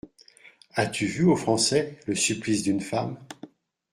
As-tu vu aux Français le Supplice d’une femme ?